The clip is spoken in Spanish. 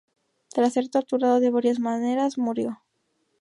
Tras ser torturado de varias maneras, murió.